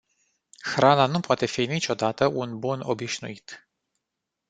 Hrana nu poate fi niciodată un bun obișnuit.